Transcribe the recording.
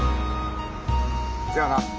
じゃあな。